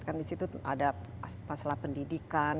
kan disitu ada masalah pendidikan